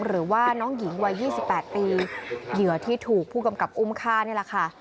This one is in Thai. หรือว่าน้องหญิงวัย๒๘ปีเหยื่อที่ถูกผู้กำกับอุ้มฆ่านี่แหละค่ะ